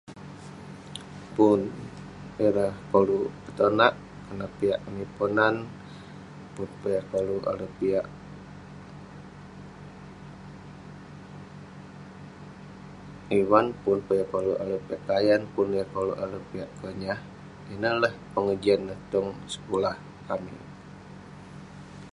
Pun...ireh koluk petonak..konak piak amik ponan, pun peh yah koluk alek piak..ivan, pun peh yah koluk alek piak kayan..pun yah koluk alek piak konyah..ineh lah pengejian neh tong sekulah amik..